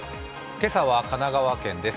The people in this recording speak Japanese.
今朝は神奈川県です。